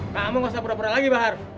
kamu gak usah berperang lagi bahar